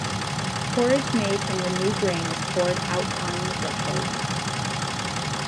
Porridge made from the new grain is poured out on the threshold.